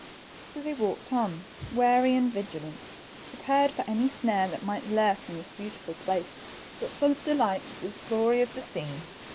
So they walked on, wary and vigilant, prepared for any snare that might lurk in this beautiful place but full of delight with the glory of the scene.